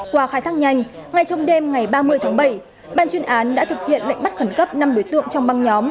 qua khai thác nhanh ngay trong đêm ngày ba mươi tháng bảy ban chuyên án đã thực hiện lệnh bắt khẩn cấp năm đối tượng trong băng nhóm